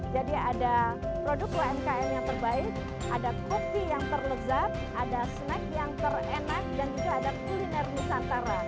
jadi ada produk umkm yang terbaik ada kopi yang terlezat ada snack yang terenak dan juga ada kuliner nusantara